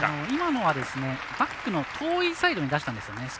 今のはバックの遠いサイドに出したんですね。